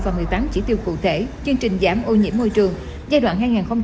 và một mươi tám chỉ tiêu cụ thể chương trình giảm ô nhiễm môi trường giai đoạn hai nghìn hai mươi hai nghìn ba mươi